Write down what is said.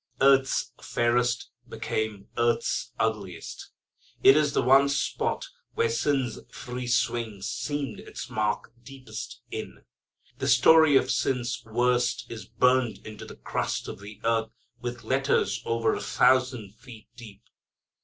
Earth's fairest became earth's ugliest. It is the one spot where sin's free swing seamed its mark deepest in. The story of sin's worst is burned into the crust of the earth with letters over a thousand feet deep.